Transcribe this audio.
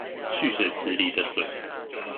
蓄水池裡的水